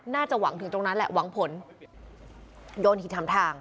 น่าจะหวังถึงตรงนั้นแหละหวังผลโยนหินถามทาง